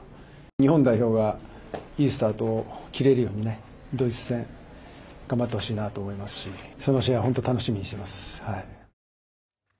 日本代表がいいスタートを切れるようにねドイツ戦頑張ってほしいなと思いますしその試合は本当に楽しみにしています。